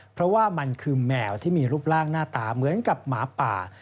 เพราะว่ามันคือแมวที่มีรูปร่างหน้าตาเหมือนกับหมาป่า